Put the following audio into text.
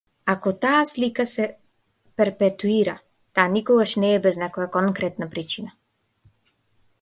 Ако таа слика се перпетуира, таа никогаш не е без некоја конкретна причина.